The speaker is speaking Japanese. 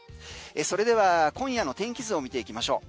それでは今夜の天気図を見ていきましょう。